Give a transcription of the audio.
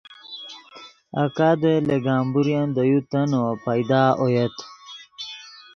آکادے لے گمبورین دے یو تنّو پیدا اویت